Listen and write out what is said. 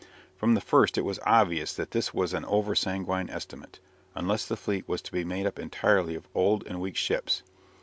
From the first it was obvious that this was an over sanguine estimate, unless the fleet was to be made up entirely of old and weak ships.